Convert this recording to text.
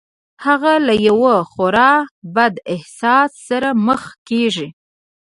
هغه له يوه خورا بد احساس سره مخ کېږي.